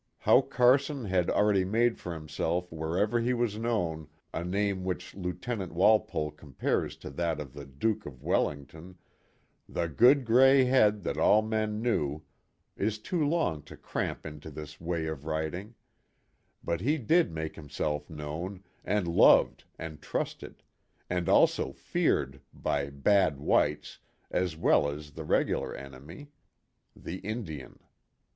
. How Carson had already made for himself wherever he was known a name which Lieuten ant Walpole compares to that of the Duke of Wellington, "the good gray head that all men knew," is too long to cramp into this way of writing, but he did make himself known and loved and trusted ; and also feared by " bad whites" as well as the regular enemy, the 28 KIT CARSON. Indian.